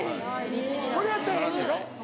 これやったらええのやろ？